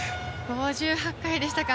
５８回でしたか。